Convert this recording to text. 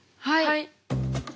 はい。